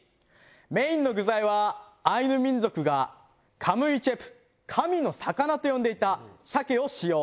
メインの具材はアイヌ民族がカムイチェプ神の魚と呼んでいた鮭を使用。